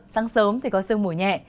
sáng sớm thì có sương mùi nhẹ